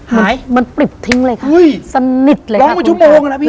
หายมันปลิบทิ้งเลยค่ะสนิทเลยร้องเป็นชั่วโมงอ่ะนะพี่